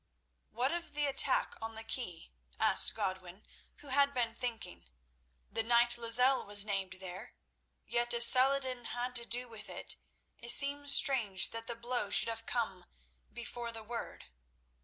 "What of the attack on the quay?" asked Godwin, who had been thinking. "The knight Lozelle was named there. Yet if Saladin had to do with it, it seems strange that the blow should have come before the word."